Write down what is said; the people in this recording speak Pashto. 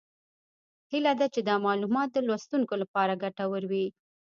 هیله ده چې دا معلومات د لوستونکو لپاره ګټور وي